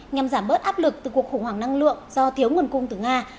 nhằm giảm bớt áp lực từ cuộc khủng hoảng năng lượng do thiếu nguồn cung từ nga